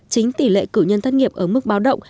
chính tỷ lệ cử nhân thất nghiệp ở mức báo động